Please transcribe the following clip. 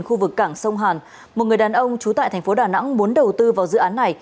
khu vực cảng sông hàn một người đàn ông trú tại thành phố đà nẵng muốn đầu tư vào dự án này